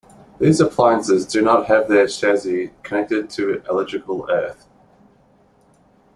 These appliances do not have their chassis connected to electrical earth.